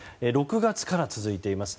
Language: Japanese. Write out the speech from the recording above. ６月から続いています。